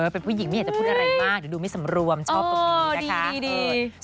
เป็นผู้หญิงไม่อยากจะพูดอะไรมากเดี๋ยวดูไม่สำรวมชอบตรงนี้นะคะ